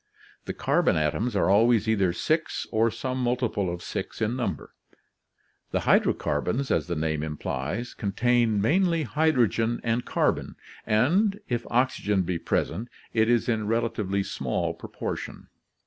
The carbon atoms are always either six or some multiple of six in number. The hydrocarbons, as the name implies, contain mainly hydrogen and carbon and if oxygen be present, it is in relatively small proportion.